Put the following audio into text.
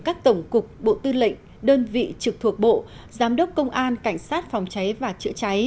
các tổng cục bộ tư lệnh đơn vị trực thuộc bộ giám đốc công an cảnh sát phòng cháy và chữa cháy